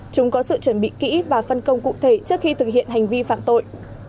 chúng có sự chuẩn bị kỹ và phân công cụ thể trước khi thực hiện hành vi phạm tội